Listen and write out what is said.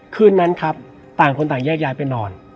คืนนั้นครับต่างคนต่างแยกย้ายไปนอน